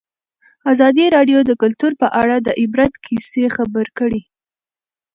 ازادي راډیو د کلتور په اړه د عبرت کیسې خبر کړي.